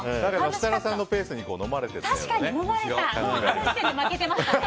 設楽さんのペースにのまれてしまいましたね。